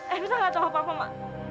evita tidak tahu apa apa mama